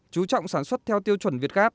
chú trọng sản xuất theo tiêu chuẩn việt gáp